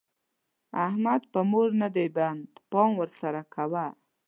احمد په مور نه دی بند؛ پام ور سره کوه.